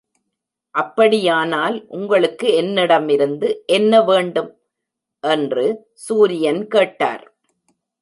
"அப்படியானால் உங்களுக்கு என்னிடமிருந்து என்ன வேண்டும்?" என்று சூரியன் கேட்டார்.